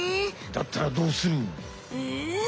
だったらどうする？え？